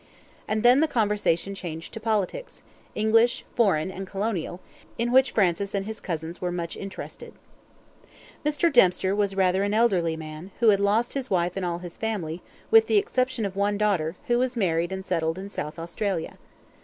And then the conversation changed to politics English, foreign, and colonial in which Francis and his cousins were much interested. Mr. Dempster was rather an elderly man, who had lost his wife and all his family, with the exception of one daughter, who was married and settled in South Australia.